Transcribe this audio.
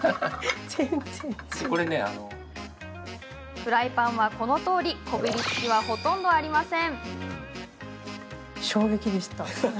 フライパンは、このとおりこびりつきはほとんどありません。